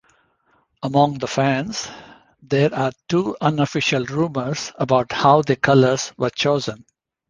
Among the fans, there are two unofficial rumours about how the colours were chosen.